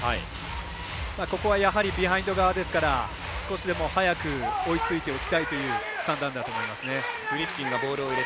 ここはビハインド側ですから少しでも早く追いついておきたいという算段だと思います。